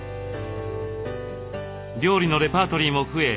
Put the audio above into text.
料理のレパートリーも増え